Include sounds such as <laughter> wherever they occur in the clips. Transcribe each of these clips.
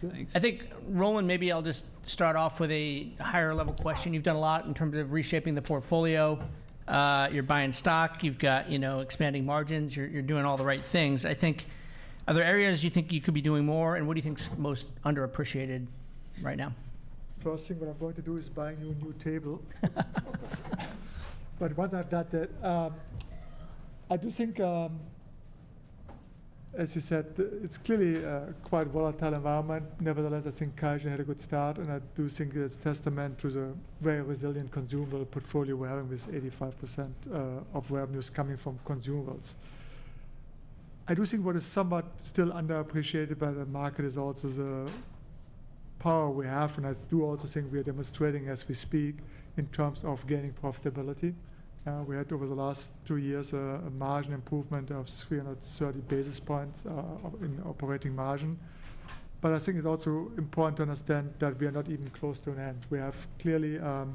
Thanks. I think, Roland, maybe I'll just start off with a higher-level question. You've done a lot in terms of reshaping the portfolio. You're buying stock. You've got expanding margins. You're doing all the right things. I think, are there areas you think you could be doing more, and what do you think is most underappreciated right now? First thing that I'm going to do is buy a new table. Once I've done that, I do think, as you said, it's clearly quite a volatile environment. Nevertheless, I think QIAGEN had a good start, and I do think that's a testament to the very resilient consumables portfolio we're having with 85% of revenues coming from consumables. I do think what is somewhat still underappreciated by the market is also the power we have, and I do also think we are demonstrating as we speak in terms of gaining profitability. We had, over the last two years, a margin improvement of 330 basis points in operating margin. I think it's also important to understand that we are not even close to an end. We have clearly a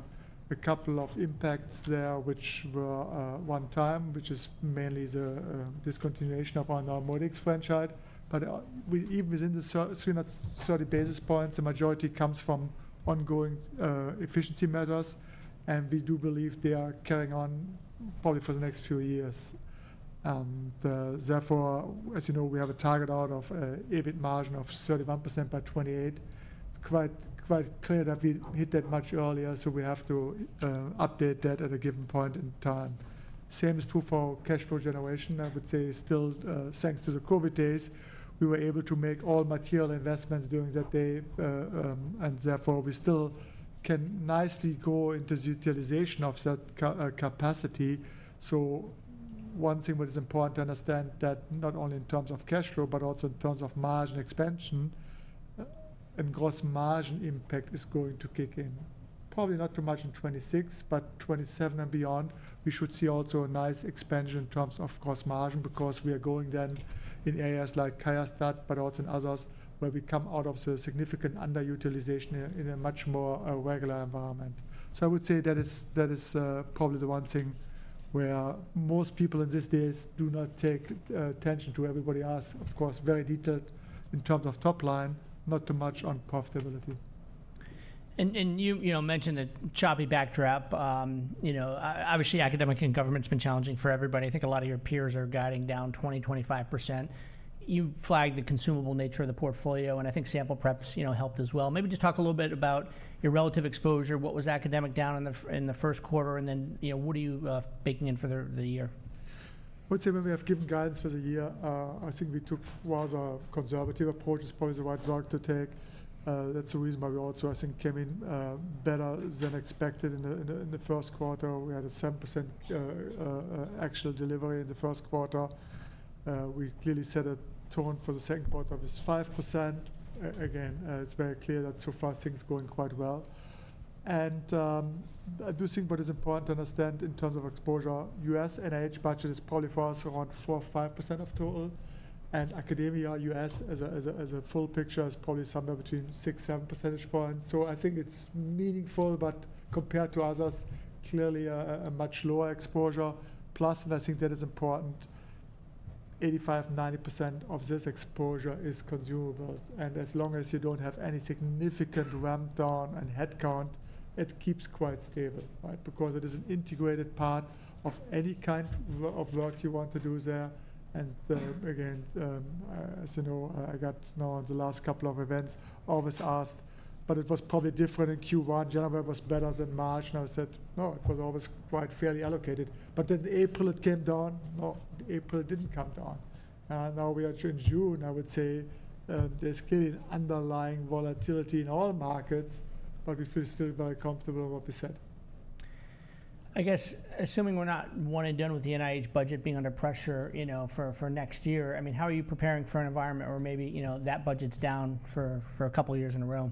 couple of impacts there, which were one time, which is mainly the discontinuation of our NeuMoDx franchise. Even within the 330 basis points, the majority comes from ongoing efficiency measures, and we do believe they are carrying on probably for the next few years. Therefore, as you know, we have a target out of EBIT margin of 31% by 2028. It is quite clear that we hit that much earlier, so we have to update that at a given point in time. The same is true for cash flow generation. I would say still, thanks to the COVID days, we were able to make all material investments during that day, and therefore we still can nicely go into the utilization of that capacity. One thing that is important to understand is that not only in terms of cash flow, but also in terms of margin expansion, and gross margin impact is going to kick in. Probably not too much in 2026, but 2027 and beyond, we should see also a nice expansion in terms of gross margin because we are going then in areas like QIAstat-Dx, but also in others where we come out of the significant underutilization in a much more regular environment. I would say that is probably the one thing where most people in these days do not take attention to. Everybody has, of course, very detailed in terms of top line, not too much on profitability. You mentioned a choppy backdrop. Obviously, academic and government has been challenging for everybody. I think a lot of your peers are guiding down 20%, 25%. You flagged the consumable nature of the portfolio, and I think sample preps helped as well. Maybe just talk a little bit about your relative exposure. What was academic down in the first quarter, and then what are you baking in for the year? I would say maybe I've given guidance for the year. I think we took what was a conservative approach, is probably the right road to take. That's the reason why we also, I think, came in better than expected in the first quarter. We had a 7% actual delivery in the first quarter. We clearly set a tone for the second quarter of 5%. It is very clear that so far things are going quite well. I do think what is important to understand in terms of exposure, U.S. NIH budget is probably for us around 4%-5% of total, and academia U.S. as a full picture is probably somewhere between 6%-7% points. I think it's meaningful, but compared to others, clearly a much lower exposure. Plus, and I think that is important, 85%-90% of this exposure is consumables. As long as you do not have any significant ramp down in headcount, it keeps quite stable, right? Because it is an integrated part of any kind of work you want to do there. Again, as you know, I got known the last couple of events, always asked, but it was probably different in Q1. In January, it was better than March, and I said, no, it was always quite fairly allocated. Then April, it came down. No, April did not come down. Now we are in June. I would say there is clearly an underlying volatility in all markets, but we feel still very comfortable with what we said. I guess, assuming we're not one and done with the NIH budget being under pressure for next year, I mean, how are you preparing for an environment where maybe that budget's down for a couple of years in a row?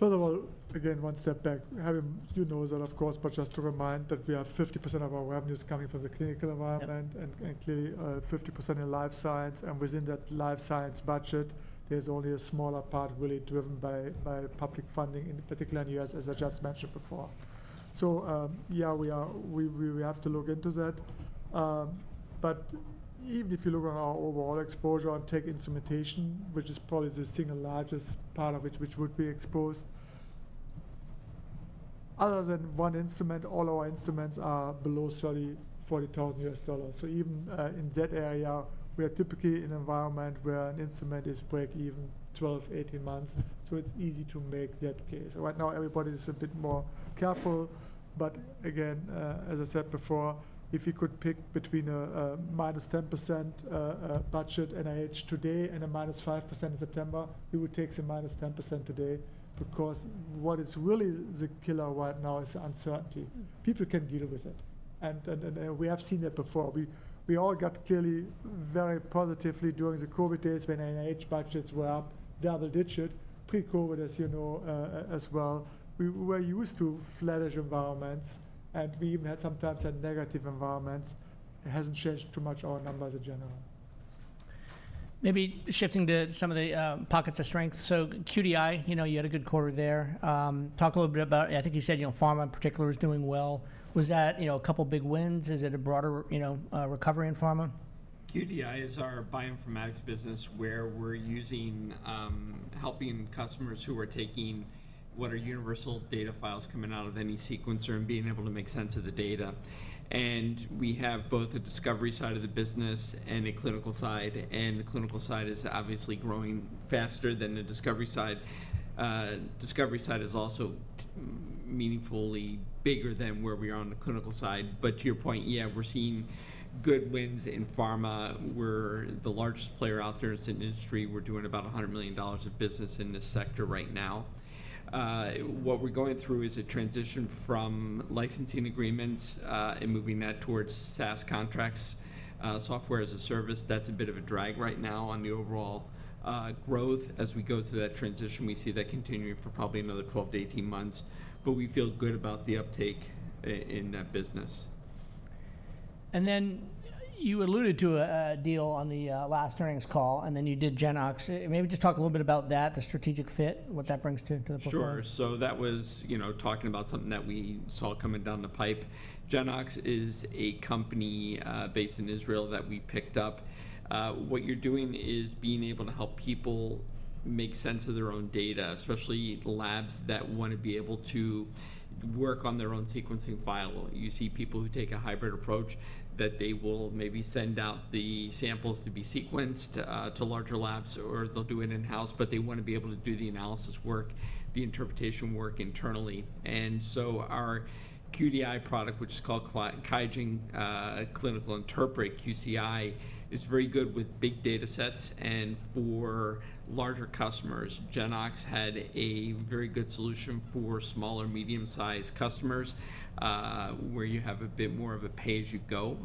First of all, again, one step back, having you know that, of course, but just to remind that we have 50% of our revenues coming from the clinical environment and clearly 50% in life science. Within that life science budget, there's only a smaller part really driven by public funding, particularly in the U.S., as I just mentioned before. Yeah, we have to look into that. Even if you look on our overall exposure on tech instrumentation, which is probably the single largest part of it, which would be exposed, other than one instrument, all our instruments are below $30,000-$40,000. Even in that area, we are typically in an environment where an instrument is break even 12-18 months. It's easy to make that case. Right now, everybody is a bit more careful. Again, as I said before, if you could pick between a -10% budget NIH today and a -5% in September, we would take the -10% today because what is really the killer right now is uncertainty. People can deal with it. We have seen that before. We all got clearly very positively during the COVID days when NIH budgets were up double-digit, pre-COVID as well. We were used to flattish environments, and we even sometimes had negative environments. It has not changed too much our numbers in general. Maybe shifting to some of the pockets of strength. QDI, you had a good quarter there. Talk a little bit about, I think you said pharma in particular is doing well. Was that a couple of big wins? Is it a broader recovery in pharma? QDI is our bioinformatics business where we're helping customers who are taking what are universal data files coming out of any sequencer and being able to make sense of the data. We have both a discovery side of the business and a clinical side. The clinical side is obviously growing faster than the discovery side. The discovery side is also meaningfully bigger than where we are on the clinical side. To your point, yeah, we're seeing good wins in pharma. We're the largest player out there in the industry. We're doing about $100 million of business in this sector right now. What we're going through is a transition from licensing agreements and moving that towards SaaS contracts, Software as a Service. That's a bit of a drag right now on the overall growth. As we go through that transition, we see that continuing for probably another 12-18 months. We feel good about the uptake in that business. You alluded to a deal on the last earnings call, and then you did Genoox. Maybe just talk a little bit about that, the strategic fit, what that brings to the portfolio. Sure. That was talking about something that we saw coming down the pipe. Genoox is a company based in Israel that we picked up. What you're doing is being able to help people make sense of their own data, especially labs that want to be able to work on their own sequencing file. You see people who take a hybrid approach that they will maybe send out the samples to be sequenced to larger labs, or they'll do it in-house, but they want to be able to do the analysis work, the interpretation work internally. Our QDI product, which is called QIAGEN Clinical Interpret, QCI, is very good with big data sets. For larger customers, Genoox had a very good solution for smaller, medium-sized customers where you have a bit more of a pay as you go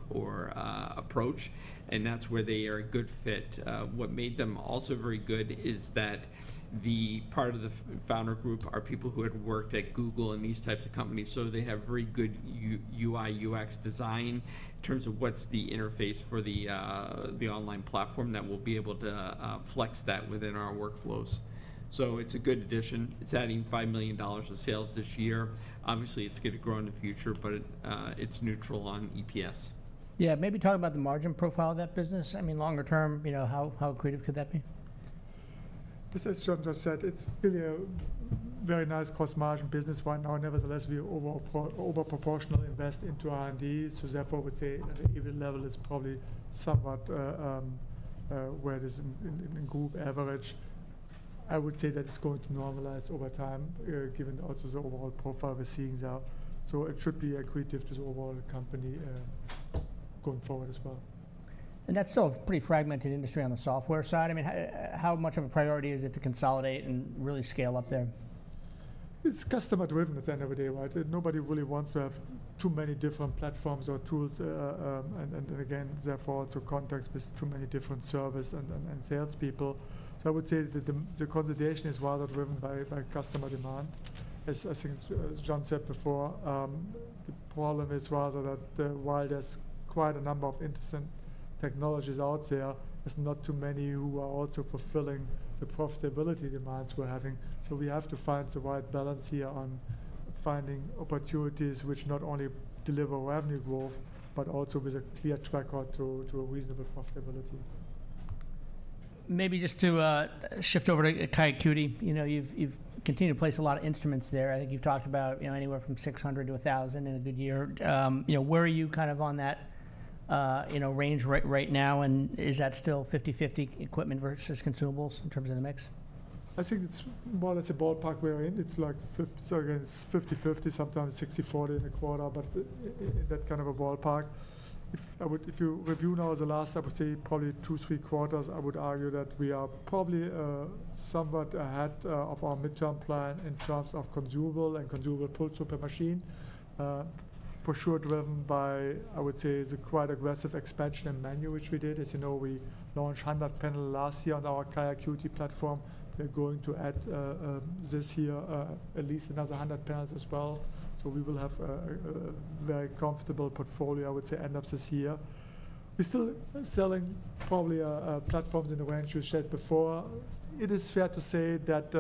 approach, and that's where they are a good fit. What made them also very good is that the part of the founder group are people who had worked at Google and these types of companies. They have very good UI/UX design in terms of what's the interface for the online platform that we'll be able to flex that within our workflows. It is a good addition. It is adding $5 million of sales this year. Obviously, it is going to grow in the future, but it is neutral on EPS. Yeah. Maybe talk about the margin profile of that business. I mean, longer term, how creative could that be? As Jonathan said, it's clearly a very nice gross margin business right now. Nevertheless, we overproportionally invest into R&D. Therefore, I would say the EBIT level is probably somewhat where it is in the group average. I would say that it's going to normalize over time given also the overall profile we're seeing there. It should be accretive to the overall company going forward as well. That is still a pretty fragmented industry on the software side. I mean, how much of a priority is it to consolidate and really scale up there? It's customer-driven at the end of the day, right? Nobody really wants to have too many different platforms or tools. Again, therefore, also contacts with too many different service and salespeople. I would say that the consolidation is rather driven by customer demand. As Jon said before, the problem is rather that while there's quite a number of interesting technologies out there, there's not too many who are also fulfilling the profitability demands we're having. We have to find the right balance here on finding opportunities which not only deliver revenue growth, but also with a clear track to a reasonable profitability. Maybe just to shift over to QIAcuity, you've continued to place a lot of instruments there. I think you've talked about anywhere from 600-1,000 in a good year. Where are you kind of on that range right now? Is that still 50/50 equipment versus consumables in terms of the mix? I think it's more or less a ballpark we're in. It's like 50/50, sometimes 60/40 in a quarter, but in that kind of a ballpark. If you review now the last, I would say probably two, three quarters, I would argue that we are probably somewhat ahead of our midterm plan in terms of consumable and consumable pulse super machine. For sure, driven by, I would say, the quite aggressive expansion in menu, which we did. As you know, we launched 100 panels last year on our QIAGEN QIAcuity platform. We're going to add this year at least another 100 panels as well. We will have a very comfortable portfolio, I would say, end of this year. We're still selling probably platforms in the range you said before. It is fair to say that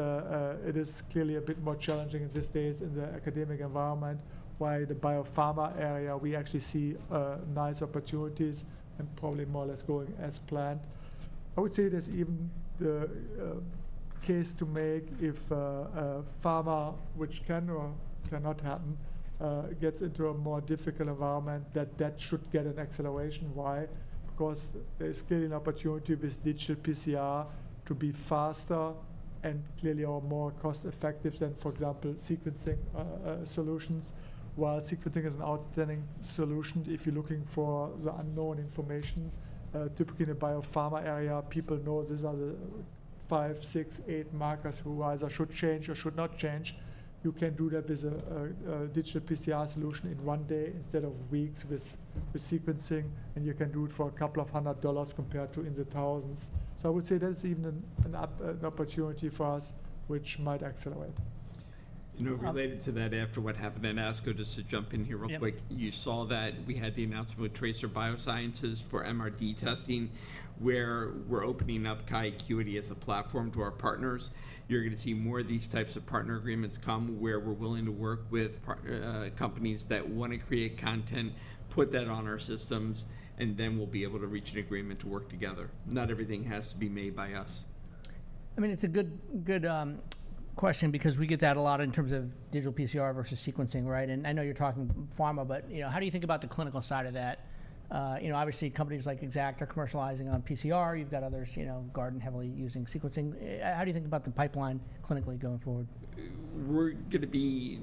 it is clearly a bit more challenging in these days in the academic environment, while the biopharma area, we actually see nice opportunities and probably more or less going as planned. I would say there is even the case to make if pharma, which can or cannot happen, gets into a more difficult environment, that that should get an acceleration. Why? Because there is clearly an opportunity with digital PCR to be faster and clearly more cost-effective than, for example, sequencing solutions. While sequencing is an outstanding solution, if you are looking for the unknown information, typically in the biopharma area, people know these are the five, six, eight markers who either should change or should not change. You can do that with a digital PCR solution in one day instead of weeks with sequencing, and you can do it for a couple of hundred dollars compared to in the thousands. I would say there's even an opportunity for us which might accelerate. Related to that, after what happened at ASCO, just to jump in here real quick, you saw that we had the announcement with Tracer Biosciences for MRD testing where we're opening up QIAcuity as a platform to our partners. You're going to see more of these types of partner agreements come where we're willing to work with companies that want to create content, put that on our systems, and then we'll be able to reach an agreement to work together. Not everything has to be made by us. I mean, it's a good question because we get that a lot in terms of digital PCR versus sequencing, right? I know you're talking pharma, but how do you think about the clinical side of that? Obviously, companies like Exact are commercializing on PCR. You've got others, Guardant, heavily using sequencing. How do you think about the pipeline clinically going forward? We're going to be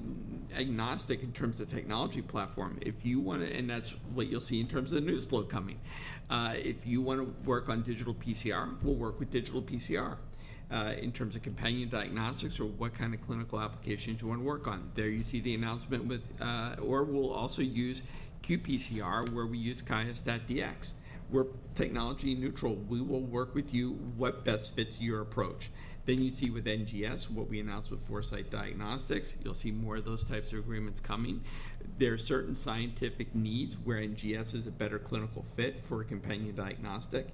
agnostic in terms of technology platform. If you want to, and that's what you'll see in terms of the news flow coming. If you want to work on digital PCR, we'll work with digital PCR in terms of companion diagnostics or what kind of clinical applications you want to work on. There you see the announcement with, or we'll also use qPCR where we use QIAstat-Dx. We're technology neutral. We will work with you what best fits your approach. You see with NGS, what we announced with Foresight Diagnostics. You'll see more of those types of agreements coming. There are certain scientific needs where NGS is a better clinical fit for a companion diagnostic.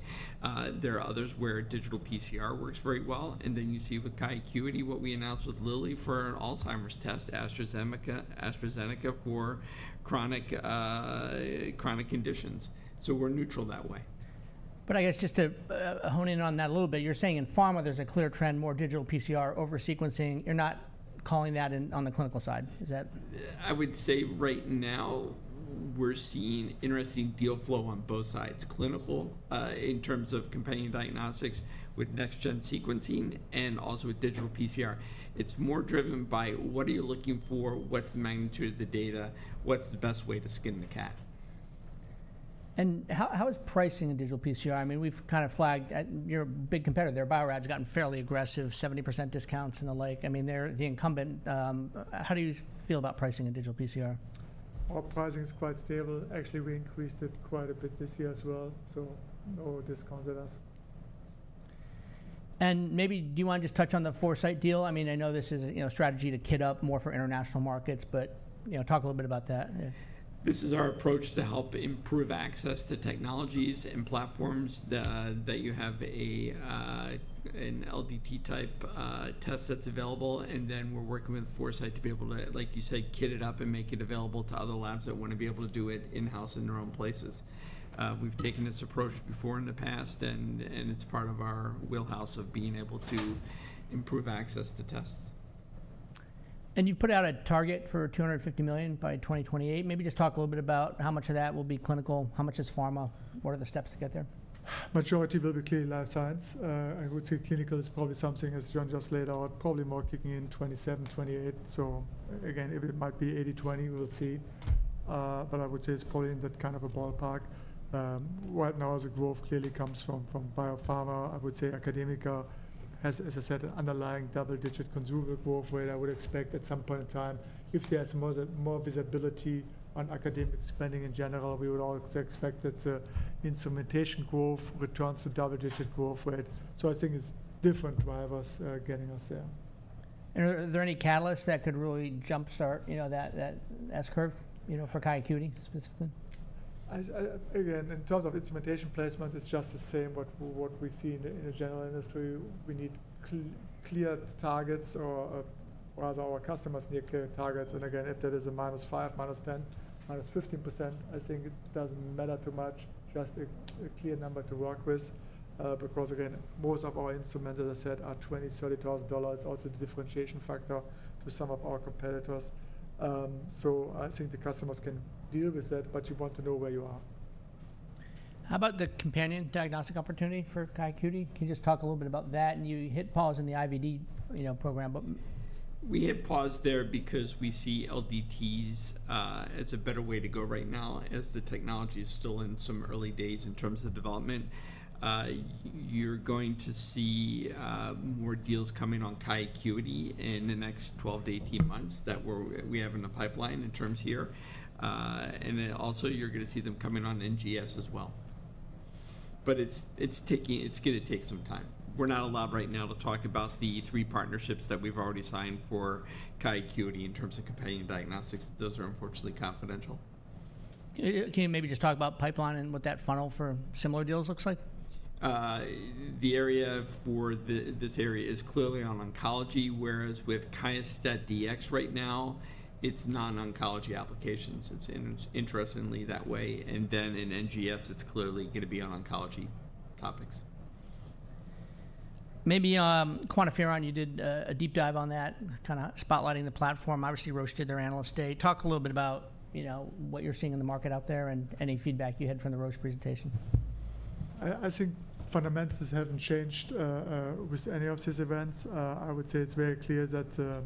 There are others where digital PCR works very well. You see with QIAcuity what we announced with Lilly for an Alzheimer's test, AstraZeneca for chronic conditions. We're neutral that way. I guess just to hone in on that a little bit, you're saying in pharma there's a clear trend, more digital PCR over sequencing. You're not calling that on the clinical side. Is that? I would say right now we're seeing interesting deal flow on both sides, clinical in terms of companion diagnostics with next-gen sequencing and also with digital PCR. It's more driven by what are you looking for, what's the magnitude of the data, what's the best way to skin the cat. How is pricing of digital PCR? I mean, we've kind of flagged you're a big competitor there. Bio-Rad's gotten fairly aggressive, 70% discounts and the like. I mean, they're the incumbent. How do you feel about pricing of digital PCR? Pricing is quite stable. Actually, we increased it quite a bit this year as well. So no discounts at us. Maybe do you want to just touch on the Foresight deal? I mean, I know this is a strategy to kit up more for international markets, but talk a little bit about that. This is our approach to help improve access to technologies and platforms that you have an LDT-type test that's available. We are working with Foresight to be able to, like you said, kit it up and make it available to other labs that want to be able to do it in-house in their own places. We have taken this approach before in the past, and it is part of our wheelhouse of being able to improve access to tests. You have put out a target for $250 million by 2028. Maybe just talk a little bit about how much of that will be clinical, how much is pharma, what are the steps to get there? Much of it will be clearly life science. I would say clinical is probably something, as Jon just laid out, probably more kicking in 2027, 2028. It might be 80/20, we'll see. I would say it's probably in that kind of a ballpark. Right now, as the growth clearly comes from biopharma, I would say academica has, as I said, an underlying double-digit consumer growth rate I would expect at some point in time. If there's more visibility on academic spending in general, we would also expect that the instrumentation growth returns to double-digit growth rate. I think it's different drivers getting us there. Are there any catalysts that could really jumpstart that S-curve for QIAcuity specifically? Again, in terms of instrumentation placement, it's just the same what we see in the general industry. We need clear targets or rather our customers need clear targets. Again, if that is a -5%, -10%, -15%, I think it doesn't matter too much, just a clear number to work with. Because again, most of our instruments, as I said, are $20,000, $30,000, also the differentiation factor to some of our competitors. I think the customers can deal with that, but you want to know where you are. How about the companion diagnostic opportunity for QIAcuity? Can you just talk a little bit about that? You hit pause in the IVD program, but. We hit pause there because we see LDTs as a better way to go right now as the technology is still in some early days in terms of development. You're going to see more deals coming on QIAcuity in the next 12-18 months that we have in the pipeline in terms here. You're going to see them coming on NGS as well. It is going to take some time. We're not allowed right now to talk about the three partnerships that we've already signed for QIAcuity in terms of companion diagnostics. Those are unfortunately confidential. Can you maybe just talk about pipeline and what that funnel for similar deals looks like? The area for this area is clearly on oncology, whereas with QIAstat-Dx right now, it's non-oncology applications. It's interestingly that way. And then in NGS, it's clearly going to be on oncology topics. Maybe QuantiFERON, you did a deep dive on that, kind of spotlighting the platform. Obviously, Roche did their analyst day. Talk a little bit about what you're seeing in the market out there and any feedback you had from the Roche presentation. I think fundamentals have not changed with any of these events. I would say it is very clear that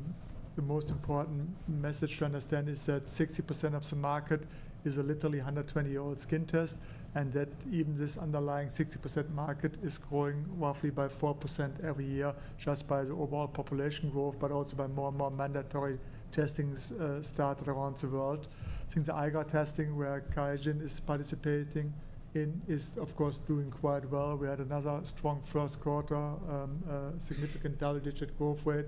the most important message to understand is that 60% of the market is a literally 120-year-old skin test and that even this underlying 60% market is growing roughly by 4% every year just by the overall population growth, but also by more and more mandatory testings started around the world. Since the IGRA testing where QIAGEN is participating in is, of course, doing quite well. We had another strong first quarter, significant double-digit growth rate.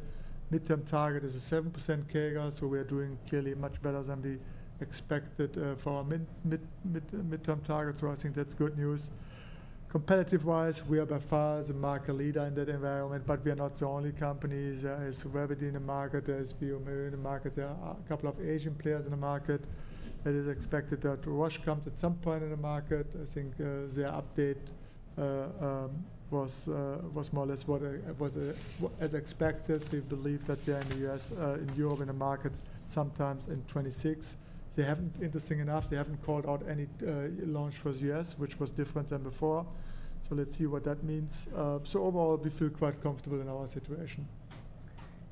Midterm target is a 7% CAGR, so we are doing clearly much better than we expected for our midterm target. I think that is good news. Competitive-wise, we are by far the market leader in that environment, but we are not the only companies as well within the market as we are moving in the market. There are a couple of Asian players in the market. It is expected that Roche comes at some point in the market. I think their update was more or less what was as expected. They believe that they're in the U.S., in Europe in the market, sometimes in 2026. Interesting enough, they haven't called out any launch for the U.S., which was different than before. Let's see what that means. Overall, we feel quite comfortable in our situation.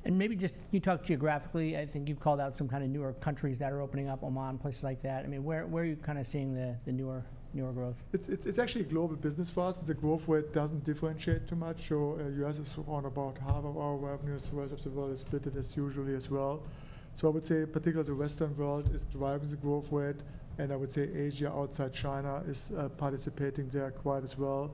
Maybe just you talk geographically, I think you've called out some kind of newer countries that are opening up, Oman, places like that. I mean, where are you kind of seeing the newer growth? It's actually a global business for us. The growth rate doesn't differentiate too much. US is around about half of our revenue. The rest of the world is split as usually as well. I would say particularly the Western world is driving the growth rate. I would say Asia outside China is participating there quite as well.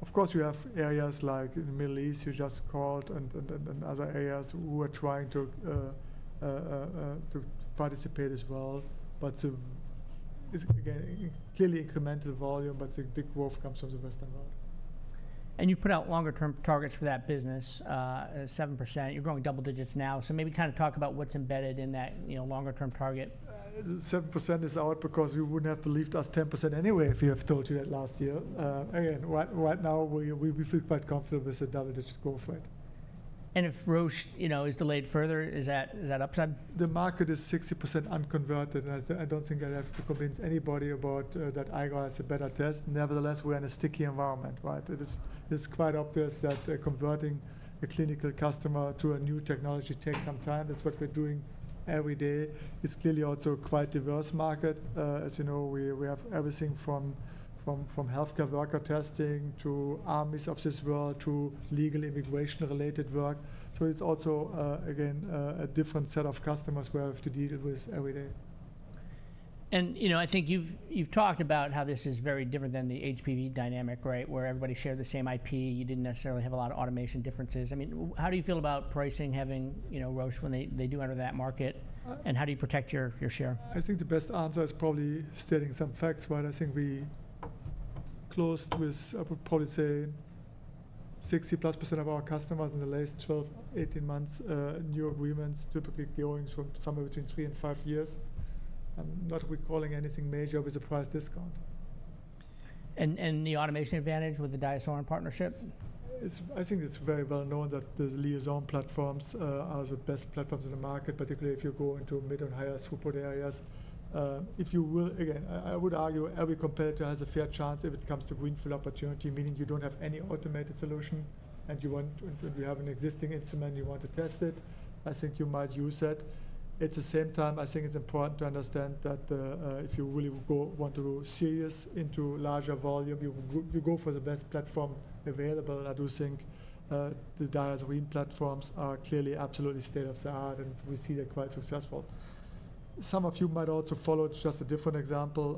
Of course, you have areas like in the Middle East you just called and other areas who are trying to participate as well. Again, clearly incremental volume, but the big growth comes from the Western world. You put out longer-term targets for that business, 7%. You're going double digits now. Maybe kind of talk about what's embedded in that longer-term target. 7% is out because you would not have believed us 10% anyway if we had told you that last year. Again, right now we feel quite comfortable with the double-digit growth rate. If Roche is delayed further, is that upside? The market is 60% unconverted. I do not think I have to convince anybody that IGRA has a better test. Nevertheless, we are in a sticky environment, right? It is quite obvious that converting a clinical customer to a new technology takes some time. That is what we are doing every day. It is clearly also a quite diverse market. As you know, we have everything from healthcare worker testing to armies of this world to legal immigration-related work. It is also, again, a different set of customers we have to deal with every day. I think you've talked about how this is very different than the HPV dynamic, right, where everybody shared the same IP. You didn't necessarily have a lot of automation differences. I mean, how do you feel about pricing having Roche when they do enter that market? And how do you protect your share? I think the best answer is probably stating some facts, right? I think we closed with, I would probably say, 60+% of our customers in the last 12-18 months, new agreements typically going from somewhere between three and five years. I'm not recalling anything major with a price discount. The automation advantage with the DiaSorin partnership? I think it's very well known that the Liaison platforms are the best platforms in the market, particularly if you go into mid and higher throughput areas. If you will, again, I would argue every competitor has a fair chance if it comes to greenfield opportunity, meaning you don't have any automated solution and you have an existing instrument and you want to test it, I think you might use that. At the same time, I think it's important to understand that if you really want to go serious into larger volume, you go for the best platform available. I do think the DiaSorin platforms are clearly absolutely state of the art and we see they're quite successful. Some of you might also follow just a different example,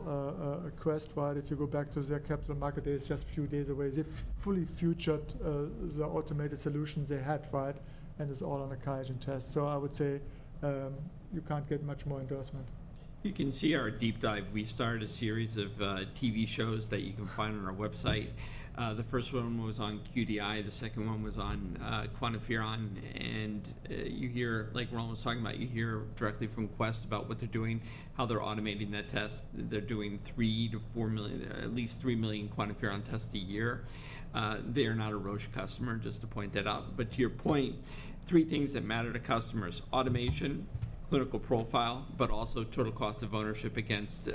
Quest, right? If you go back to their capital market, they're just a few days away. They've fully future-proofed the automated solutions they had, right? And it's all on a QIAGEN test. I would say you can't get much more endorsement. You can see our deep dive. We started a series of TV shows that you can find on our website. The first one was on QDI. The second one was on QuantiFERON. And like we're almost talking about, you hear directly from Quest about what they're doing, how they're automating that test. They're doing at least 3 million QuantiFERON tests a year. They are not a Roche customer, just to point that out. But to your point, three things that matter to customers: automation, clinical profile, but also total cost of ownership against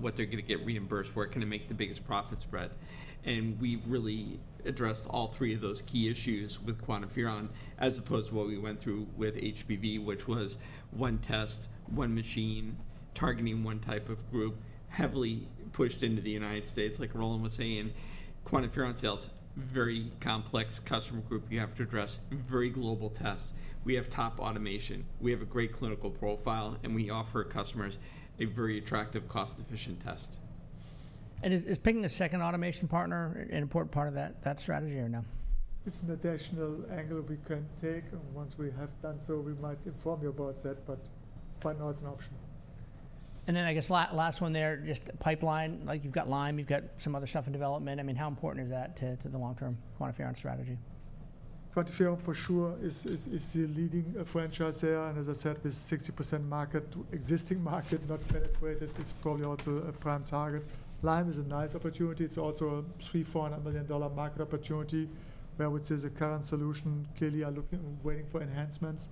what they're going to get reimbursed, where can they make the biggest profit spread. And we've really addressed all three of those key issues with QuantiFERON as opposed to what we went through with HPV, which was one test, one machine, targeting one type of group, heavily pushed into the United States, like Roland was saying. QuantiFERON sales, very complex customer group you have to address, very global tests. We have top automation. We have a great clinical profile, and we offer customers a very attractive, cost-efficient test. Is picking a second automation partner an important part of that strategy or no? It's an additional angle we can take. Once we have done so, we might inform you about that, but right now it's an option. I guess last one there, just pipeline. Like you've got Lime, you've got some other stuff in development. I mean, how important is that to the long-term QuantiFERON strategy? QuantiFERON for sure is the leading franchise there. As I said, with 60% market, existing market, not penetrated, it is probably also a prime target. Lyme is a nice opportunity. It is also a $300-$400 million market opportunity where we see the current solution. Clearly, we are waiting for enhancements.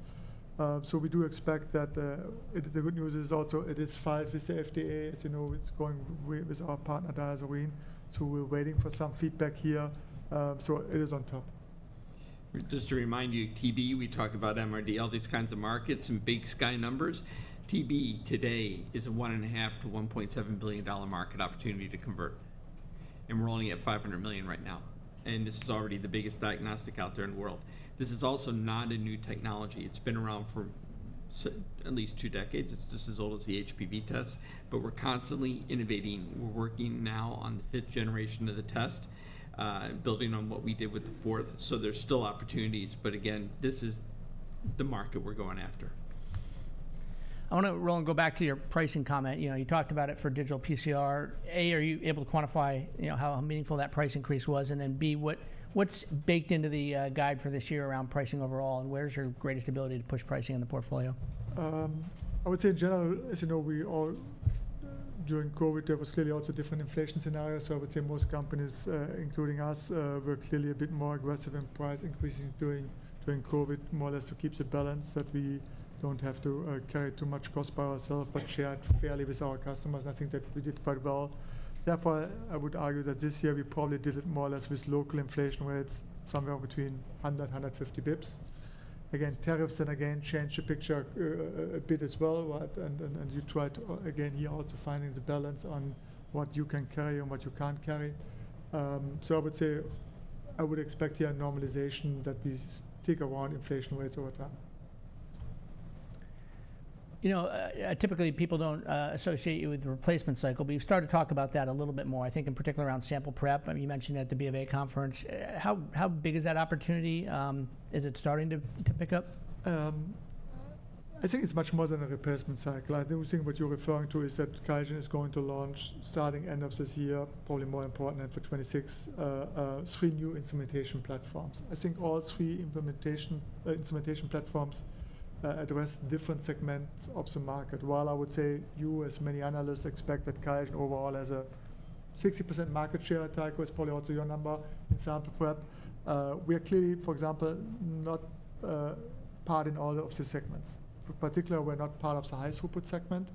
We do expect that the good news is also it is filed with the FDA. As you know, it is going with our partner DiaSorin. We are waiting for some feedback here. It is on top. Just to remind you, TB, we talk about MRD, all these kinds of markets and big sky numbers. TB today is a $1.5 billion-$1.7 billion market opportunity to convert. And we're only at $500 million right now. And this is already the biggest diagnostic out there in the world. This is also not a new technology. It's been around for at least two decades. It's just as old as the HPV test. But we're constantly innovating. We're working now on the fifth generation of the test, building on what we did with the fourth. So there's still opportunities. But again, this is the market we're going after. I want to, Roland, go back to your pricing comment. You talked about it for digital PCR. A, are you able to quantify how meaningful that price increase was? Then B, what's baked into the guide for this year around pricing overall? Where's your greatest ability to push pricing in the portfolio? I would say in general, as you know, during COVID, there was clearly also different inflation scenarios. I would say most companies, including us, were clearly a bit more aggressive in price increases during COVID, more or less to keep the balance that we do not have to carry too much cost by ourselves, but shared fairly with our customers. I think that we did quite well. Therefore, I would argue that this year we probably did it more or less with local inflation rates, somewhere between 100-150 basis points. Again, tariffs and again, changed the picture a bit as well. You tried again here also finding the balance on what you can carry and what you cannot carry. I would say I would expect here a normalization that we stick around inflation rates over time. You know, typically people do not associate you with the replacement cycle, but you have started to talk about that a little bit more. I think in particular around sample prep. You mentioned at the B of A conference. How big is that opportunity? Is it starting to pick up? I think it's much more than a replacement cycle. I think what you're referring to is that QIAGEN is going to launch starting end of this year, probably more important than for 2026, three new instrumentation platforms. I think all three instrumentation platforms address different segments of the market. While I would say you, as many analysts, expect that QIAGEN overall has a 60% market share at IGRA, it's probably also your number in sample prep. We are clearly, for example, not part in all of the segments. In particular, we're not part of the high throughput segment.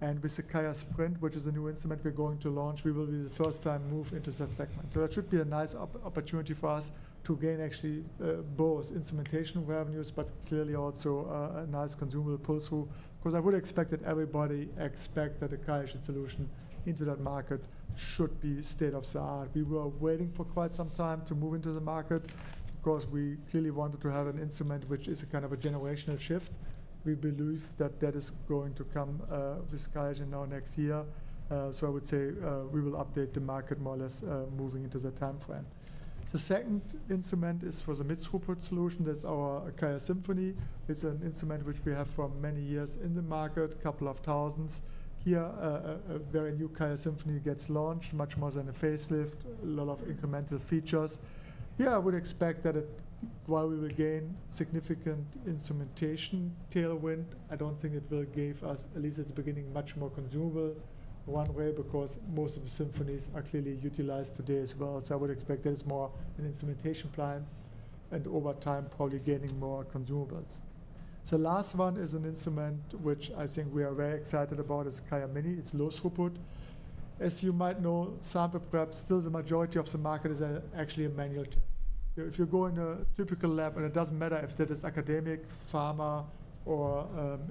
With the QIAsprint, which is a new instrument we're going to launch, we will for the first time move into that segment. That should be a nice opportunity for us to gain actually both instrumentation revenues, but clearly also a nice consumable pull-through. Because I would expect that everybody expects that a QIAGEN solution into that market should be state of the art. We were waiting for quite some time to move into the market because we clearly wanted to have an instrument which is a kind of a generational shift. We believe that that is going to come with QIAGEN now next year. I would say we will update the market more or less moving into that timeframe. The second instrument is for the mid-throughput solution. That's our QIAsymphony. It's an instrument which we have for many years in the market, a couple of thousand. Here, a very new QIAsymphony gets launched, much more than a facelift, a lot of incremental features. Yeah, I would expect that while we will gain significant instrumentation tailwind, I don't think it will give us, at least at the beginning, much more consumable one way because most of the symphonies are clearly utilized today as well. I would expect that it's more an instrumentation plan and over time probably gaining more consumables. The last one is an instrument which I think we are very excited about is QIAmini. It's low throughput. As you might know, sample prep, still the majority of the market is actually a manual test. If you go in a typical lab, and it doesn't matter if that is academic, pharma, or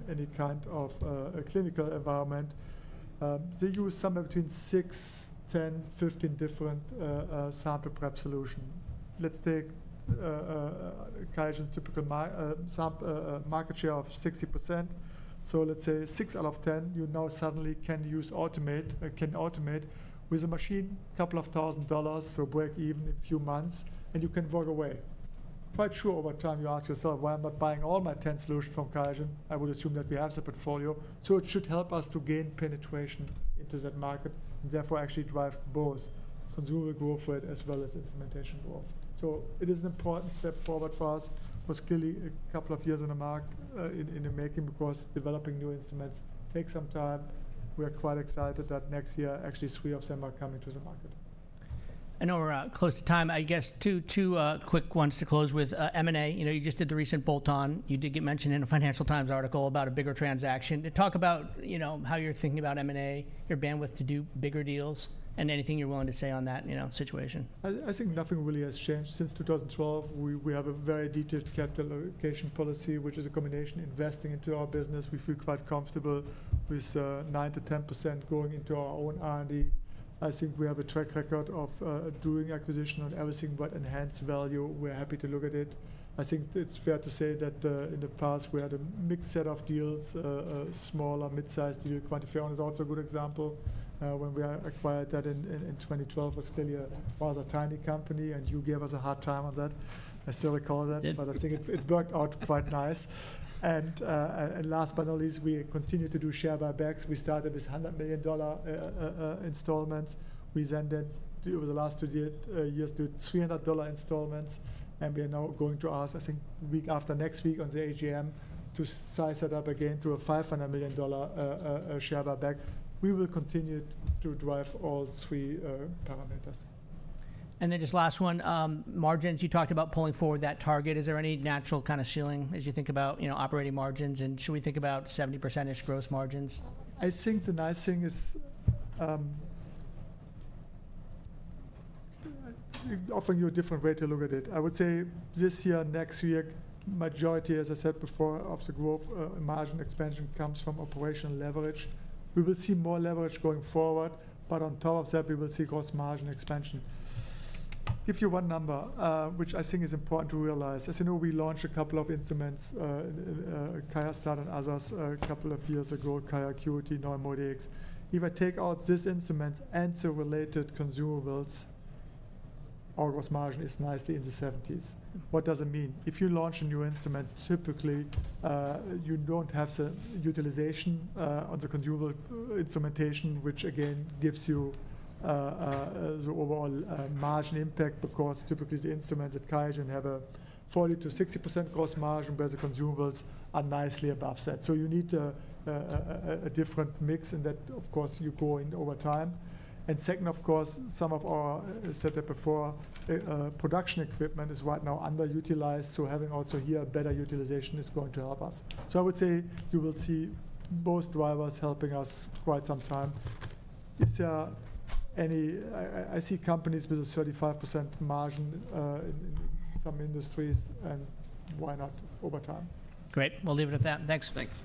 any kind of clinical environment, they use somewhere between 6, 10, 15 different sample prep solutions. Let's take QIAGEN's typical market share of 60%. Let's say 6 out of 10, you now suddenly can automate with a machine, a couple of thousand dollars, so break even in a few months, and you can work away. Quite sure over time you ask yourself, why am I not buying all my 10 solutions from QIAGEN? I would assume that we have the portfolio. It should help us to gain penetration into that market and therefore actually drive both consumable growth rate as well as instrumentation growth. It is an important step forward for us. Was clearly a couple of years in the market in the making because developing new instruments takes some time. We are quite excited that next year actually three of them are coming to the market. I know we're close to time. I guess two quick ones to close with. M&A, you just did the recent bolt-on. You did get mentioned in a Financial Times article about a bigger transaction. Talk about how you're thinking about M&A, your bandwidth to do bigger deals, and anything you're willing to say on that situation. I think nothing really has changed since 2012. We have a very detailed capital allocation policy, which is a combination investing into our business. We feel quite comfortable with 9%-10% going into our own R&D. I think we have a track record of doing acquisition on everything but enhanced value. We're happy to look at it. I think it's fair to say that in the past we had a mixed set of deals, smaller, mid-sized deals. QuantiFERON is also a good example. When we acquired that in 2012, it was clearly a rather tiny company, and you gave us a hard time on that. I still recall that, but I think it worked out quite nice. Last but not least, we continue to do share buybacks. We started with $100 million installments. We then did over the last two years do $300 million installments. We are now going to ask, I think week after next week on the AGM, to size that up again to a $500 million share buyback. We will continue to drive all three parameters. Just last one, margins. You talked about pulling forward that target. Is there any natural kind of ceiling as you think about operating margins? And should we think about 70%-ish gross margins? I think the nice thing is offering you a different way to look at it. I would say this year, next year, majority, as I said before, of the gross margin expansion comes from operational leverage. We will see more leverage going forward, but on top of that, we will see gross margin expansion. Give you one number, which I think is important to realize. As you know, we launched a couple of instruments, QIAstat and others, a couple of years ago, QIAcuity. <audio distortion> If I take out these instruments and the related consumables, our gross margin is nicely in the 70s. What does it mean? If you launch a new instrument, typically you don't have the utilization on the consumable instrumentation, which again gives you the overall margin impact because typically the instruments at QIAGEN have a 40-60% gross margin, whereas the consumables are nicely above that. You need a different mix in that, of course, you go in over time. Second, of course, some of our, as I said before, production equipment is right now underutilized. Having also here better utilization is going to help us. I would say you will see both drivers helping us quite some time. Is there any? I see companies with a 35% margin in some industries, and why not over time? Great. We'll leave it at that. Thanks.